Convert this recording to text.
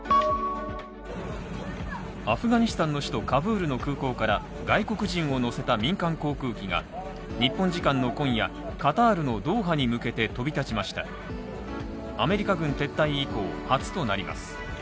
アフガニスタンの首都カブールの空港から外国人を乗せた民間航空機が日本時間の今夜カタールのドーハに向けて飛び立ちましたアメリカ軍撤退後初となります